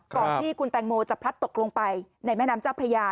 ก่อนที่คุณแตงโมจะพลัดตกลงไปในแม่น้ำเจ้าพระยา